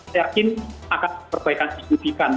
saya yakin akan perbaikan signifikan